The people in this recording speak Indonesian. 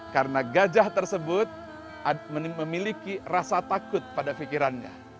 karena gajah tersebut memiliki rasa takut pada pikirannya